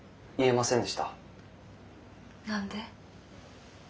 何で？